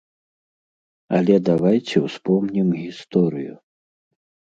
Але давайце ўспомнім гісторыю.